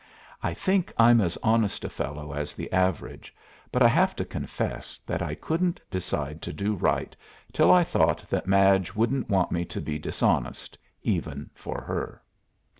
I think I'm as honest a fellow as the average, but I have to confess that I couldn't decide to do right till I thought that Madge wouldn't want me to be dishonest, even for her.